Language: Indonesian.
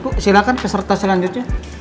ibu silahkan peserta selanjutnya